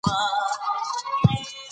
هغوی په غوږونو څپېړې ایښي دي.